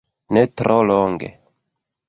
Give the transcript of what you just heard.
Ne tro longe.